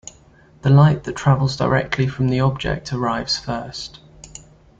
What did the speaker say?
The light that travels directly from the object arrives first.